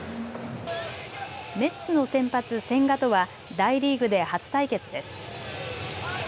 メッツの先発、千賀とは大リーグで初対決です。